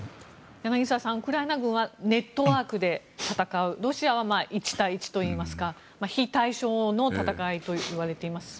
柳澤さん、ウクライナ軍はネットワークで戦うロシアは１対１といいますか非対称の戦いといわれています。